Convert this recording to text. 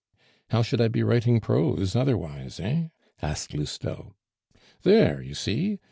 "How should I be writing prose otherwise, eh?" asked Lousteau. "There, you see!